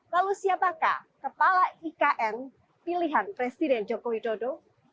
lalu siapakah kepala ikn pilihan presiden jokowi dodo